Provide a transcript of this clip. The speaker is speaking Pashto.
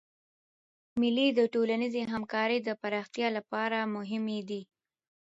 مېلې د ټولنیزي همکارۍ د پراختیا له پاره مهمي دي.